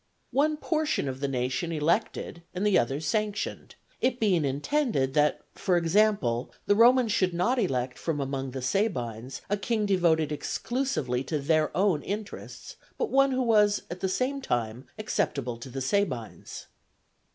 One portion of the nation elected and the other sanctioned; it being intended that, for example, the Romans should not elect from among the Sabines a king devoted exclusively to their own interests, but one who was at the same time acceptable to the Sabines.